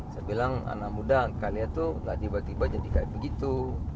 saya bilang anak muda kalian tuh tiba tiba jadi kayak begitu